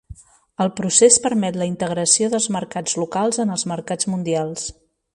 El procés permet la integració dels mercats locals en els mercats mundials.